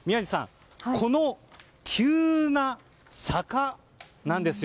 この急な坂なんですよ。